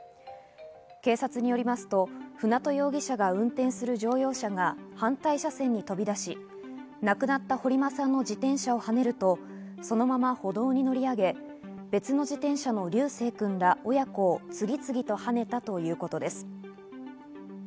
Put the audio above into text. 警察によりますと舟渡容疑者が運転する乗用車が反対車線に飛び出し、亡くなった堀間さんの自転車をはねるとそのまま歩道に乗り上げ、別の自転車の琉正くんら親子を次々とはねたということです。